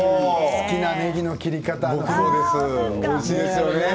好きなねぎの切り方おいしいですよね。